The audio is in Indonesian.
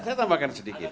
saya tambahkan sedikit